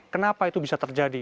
kenapa itu bisa terjadi